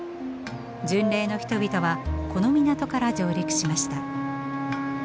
巡礼の人々はこの港から上陸しました。